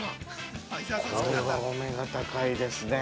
◆これはお目が高いですね。